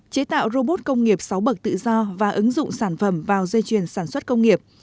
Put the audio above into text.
chế tạo robot công nghiệp sáu bậc tự do và ứng dụng sản phẩm vào dây chuyền sản xuất công nghiệp